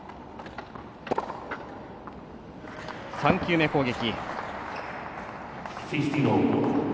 ３球目攻撃。